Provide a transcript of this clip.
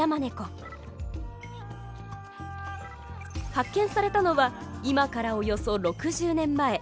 発見されたのは今からおよそ６０年前。